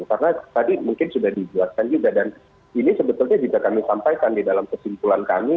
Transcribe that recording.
karena tadi mungkin sudah dibuatkan juga dan ini sebetulnya tidak kami sampaikan di dalam kesimpulan kami